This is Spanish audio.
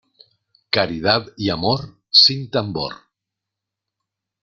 Caridad y amor, sin tambor.